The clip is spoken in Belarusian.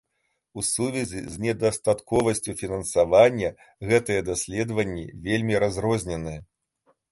У сувязі з недастатковасцю фінансавання гэтыя даследаванні вельмі разрозненыя.